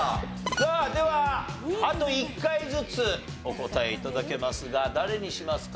さあではあと１回ずつお答え頂けますが誰にしますか？